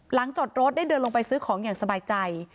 จอดรถได้เดินลงไปซื้อของอย่างสบายใจ